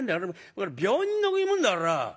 これ病人の食い物だから」。